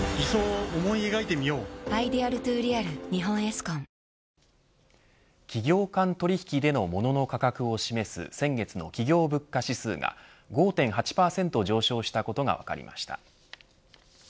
「サントリー生ビール」はじまる企業間取引でのモノの価格を示す先月の企業物価指数が５．８％上昇したことが分かりました。